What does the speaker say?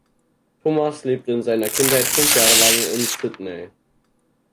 Thomas lebte in seiner Kindheit fünf Jahre lang in Sydney.